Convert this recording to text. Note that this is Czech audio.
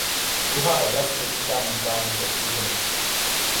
Druhá oblast se týká mentálně postižených.